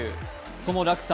その落差